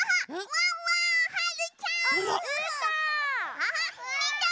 ワンワンはるちゃん！うーたん！